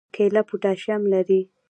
کیله پوټاشیم لري